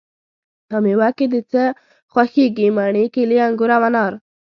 په میوه کی د څه خوښیږی؟ مڼې، کیلې، انګور او انار